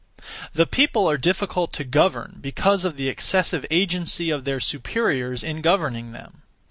The people are difficult to govern because of the (excessive) agency of their superiors (in governing them).